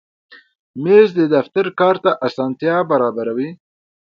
مېز د دفتر کار ته اسانتیا برابروي.